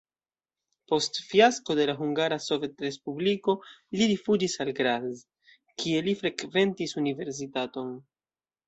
Post fiasko de la Hungara Sovetrespubliko li rifuĝis al Graz, kie li frekventis universitaton.